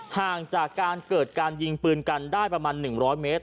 ห่างจากการเกิดการยิงปืนกันได้ประมาณ๑๐๐เมตร